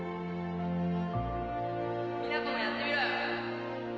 実那子もやってみろよ